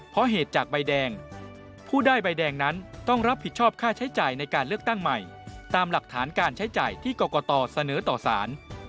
ผู้ใดใบแดงนั้นต้องรับผิดชอบค่าใช้จ่ายในการเลือกตั้งใหม่ตามหลักฐานการใช้จ่ายที่กรกตเสนอต่อสาร